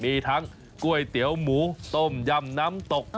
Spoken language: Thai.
มีทั้งก๋วยเตี๋ยวหมูต้มยำน้ำตก